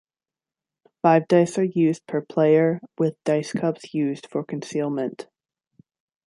Five dice are used per player with dice cups used for concealment.